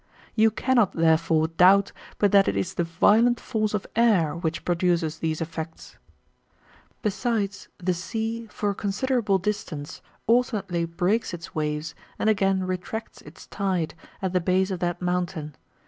You cannot, therefore, doubt, but that it is the violent force of air which prodtices these effects. Besides, the sea, for a considerable distance, alternately breaks its waves, and again retracts its tide, at the base of that mountain.